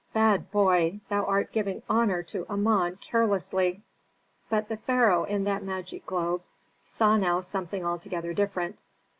"Bad boy! thou art giving honor to Amon carelessly." But the pharaoh in that magic globe saw now something altogether different.